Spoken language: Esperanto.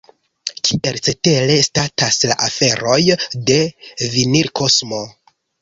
Kiel cetere statas la aferoj de Vinilkosmo?